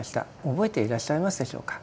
覚えていらっしゃいますでしょうか。